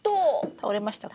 倒れましたか？